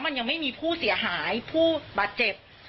มันยังไม่มีผู้เสียหายผู้บาดเจ็บ